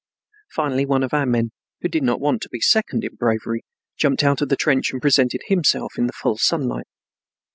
Finally one of our men, who did not want to be second in bravery, jumped out of the trench and presented himself in the full sunlight.